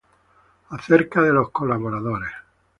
Acerca de los colaboradores